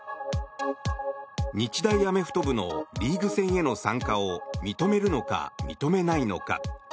日大アメフト部のリーグ戦への参加を認めるのか、認めないのか。